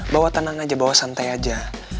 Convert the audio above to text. bawa tenang aja bawa santai aja